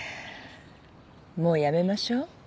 もうやめましょう。